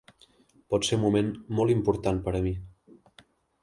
Pot ser un moment molt important per a mi.